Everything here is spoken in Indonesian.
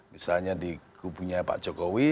misalnya di kubunya pak jokowi